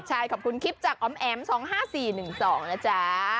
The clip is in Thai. ใช่ขอบคุณคลิปจากอ๋อมแอ๋ม๒๕๔๑๒นะจ๊ะ